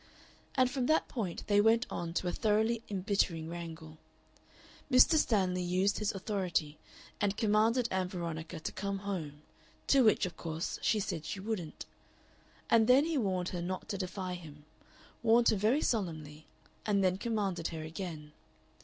And from that point they went on to a thoroughly embittering wrangle. Mr. Stanley used his authority, and commanded Ann Veronica to come home, to which, of course, she said she wouldn't; and then he warned her not to defy him, warned her very solemnly, and then commanded her again.